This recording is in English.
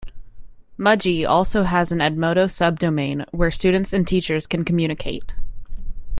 Mudgee also has an Edmodo subdomain where students and teachers can communicate.